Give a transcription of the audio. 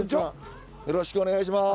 よろしくお願いします。